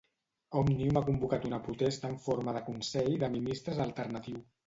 Òmnium ha convocat una protesta en forma de consell de ministres alternatiu.